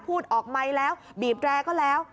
พูดออกไมค์แล้วบีบแรร์ก็แล้ว